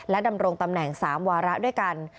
ดำรงตำแหน่ง๓วาระด้วยกัน